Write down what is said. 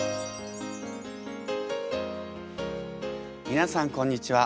皆さんこんにちは。